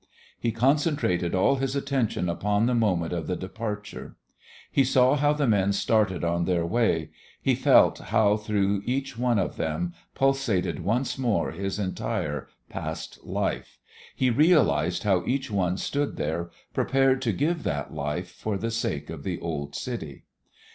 He concentrated all his attention upon the moment of the departure. He saw how the men started on their way, he felt how through each one of them pulsated once more his entire past life, he realized how each one stood there prepared to give that life for the sake of the old city.